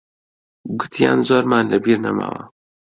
گوتیان زۆرمان لەبیر نەماوە.